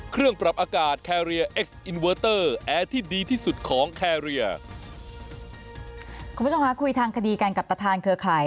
คุณผู้ชมคะคุยทางคดีกันกับประธานเครือข่าย